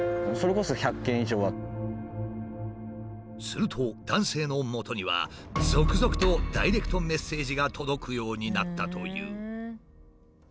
すると男性のもとには続々とダイレクトメッセージが届くようになったという。